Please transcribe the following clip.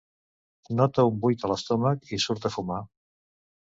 Nota un buit a l'estómac i surt a fumar.